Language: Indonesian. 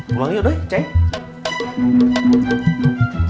pulang yuk doi cek